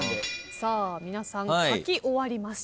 皆さん書き終わりました。